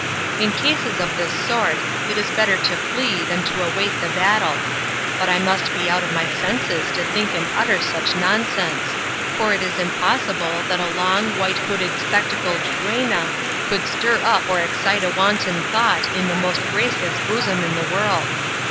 In cases of this sort it is better to flee than to await the battle. But I must be out of my senses to think and utter such nonsense; for it is impossible that a long, white hooded spectacled duenna could stir up or excite a wanton thought in the most graceless bosom in the world.